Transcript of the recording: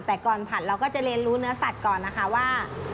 แต่ก่อนผัดเราก็จะเรียนรู้เนื้อสัตว์ก่อนนะคะว่า